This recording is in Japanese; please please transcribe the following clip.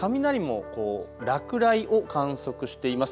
雷も落雷を観測しています。